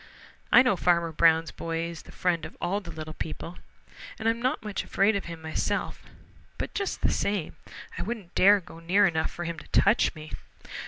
"I know Farmer Brown's boy is the friend of all the little people, and I'm not much afraid of him myself, but just the same I wouldn't dare go near enough for him to touch me."